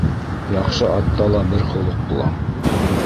Яҡшы атта ла бер холоҡ була.